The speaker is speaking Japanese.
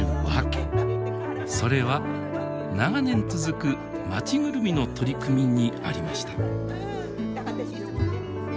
それは長年続く町ぐるみの取り組みにありました。